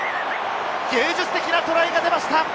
芸術的なトライが出ました！